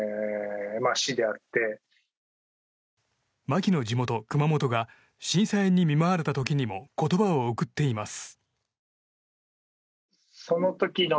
巻の地元、熊本が震災に見舞われた時にも言葉を送っています。